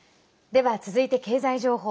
では、続いて経済情報。